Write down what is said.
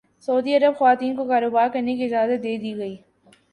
سعودی Arab خواتین کو کاروبار کرنے کی اجازت دے دی گئی